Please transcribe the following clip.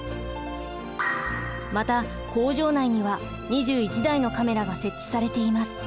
また工場内には２１台のカメラが設置されています。